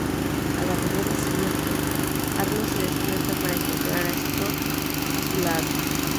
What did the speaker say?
A la mañana siguiente, Arlo se despierta para encontrar a Spot a su lado.